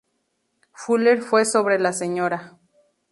Fuller fue sobre la Sra.